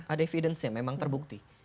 ada evidence nya memang terbukti